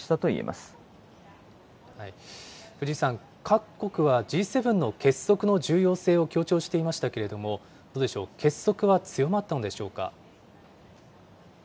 ま藤井さん、各国はＧ７の結束の重要性を強調していましたけれども、どうでしょう、結束は強まったんでしょうか。